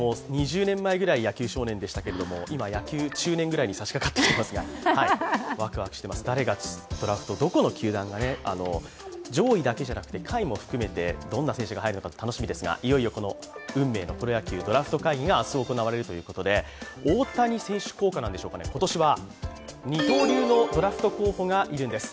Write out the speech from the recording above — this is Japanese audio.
２０年前くらい、野球少年でしたが今、野球中年ぐらいに差しかかってきていますが、ワクワクしてます、誰がドラフト、どこの球団が、上位だけじゃなくて下位も含めてどんな選手が入るのか楽しみですが、いよいよこの運命のプロ野球ドラフト会議が明日行われるということで大谷選手効果なんでしょうか、今年は二刀流のドラフト候補がいるんです。